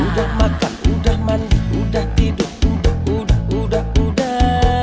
udah makan udah mandi udah tidur udah udah udah udah